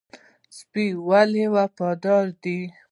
سپی ولې وفادار دی؟